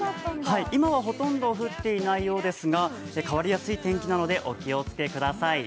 今は、ほとんど降っていないようですが変わりやすい天気なのでお気をつけください。